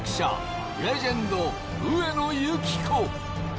レジェンド上野由岐子。